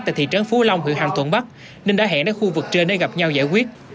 tại thị trấn phú long huyện hàm thuận bắc nên đã hẹn đến khu vực trên để gặp nhau giải quyết